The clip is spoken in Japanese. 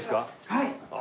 はい。